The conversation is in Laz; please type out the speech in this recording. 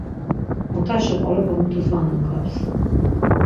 Motaşi qoropa mutus va nungaps.